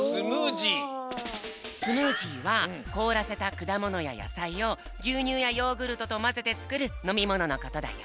スムージーはこおらせたくだものややさいをぎゅうにゅうやヨーグルトとまぜてつくるのみもののことだよ。